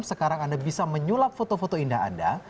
sekarang anda bisa menyulap foto foto indah anda